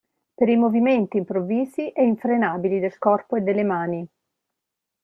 Pei movimenti improvvisi e infrenabili del corpo e delle mani.